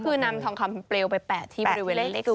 ก็คือนำทองคำเปรี้ยวไปแปะที่บริเวณเลข๐